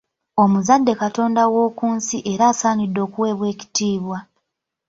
Omuzadde Katonda w’oku nsi era asaanidde okuweebwa ekitiibwa.